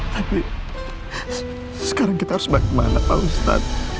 tapi sekarang kita harus bagi mahala pak ustaz